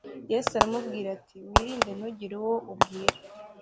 Yesu aramubwira ati : "Wirinde ntugire uwo ubwira.